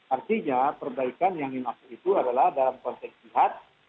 artinya perbaikan yang dimaksud itu adalah dalam konteks jihad